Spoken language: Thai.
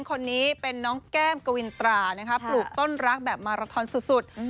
คนนี้เป็นน้องแก้มกวินตรานะคะปลูกต้นรักแบบมาราทอนสุด